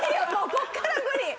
ここから無理よ。